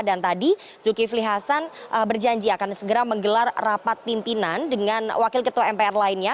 dan tadi zulkifli hasan berjanji akan segera menggelar rapat pimpinan dengan wakil ketua mpr lainnya